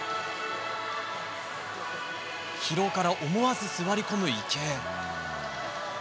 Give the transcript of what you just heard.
疲労から、思わず座り込む池江。